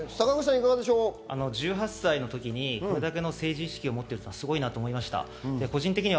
１８歳の時にこれだけ政治意識を持ってるのはすごいと思いました。